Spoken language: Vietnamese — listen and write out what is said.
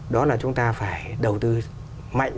đó là chúng ta phải đầu tư mạnh